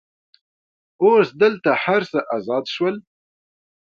اوس دلته هر څه آزاد شول.